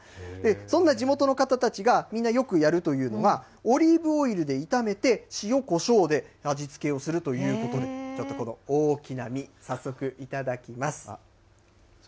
そんな地元の方たちがみんなよくやるというのが、オリーブオイルで炒めて塩こしょうで味付けをするということで、ちょっとこの大きな実、早速いただきます。